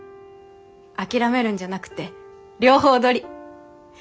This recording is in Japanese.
諦めるんじゃなくて両方取り！